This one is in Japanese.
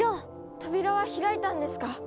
扉は開いたんですか？